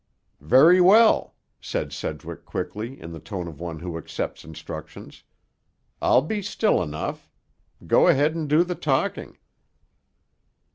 "Very well," said Sedgwick quickly, in the tone of one who accepts instructions. "I'll be still enough. Go ahead and do the talking."